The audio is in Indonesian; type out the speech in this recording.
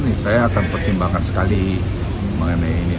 dan dia bilang pertimbangan sekali mengenai ini